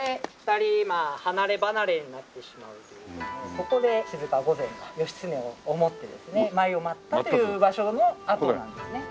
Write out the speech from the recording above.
ここで静御前は義経を思ってですね舞を舞ったという場所の跡なんですね。